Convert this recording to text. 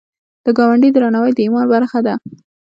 د ګاونډي درناوی د ایمان برخه ده